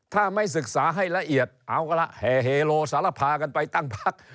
ถ้าไม่ศึกษาให้ละเอียดเอาก็ละแห่เฮโลสารพากันไปตั้งพัก